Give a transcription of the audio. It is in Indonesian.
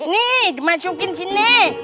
nih dimasukin sini